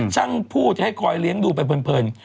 ช่างพูดให้คอยเลี้ยงดูไปเพลิน